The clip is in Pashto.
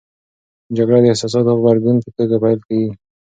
جګړه د احساساتي غبرګون په توګه پیل کېږي.